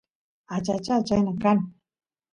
achacha chayna kan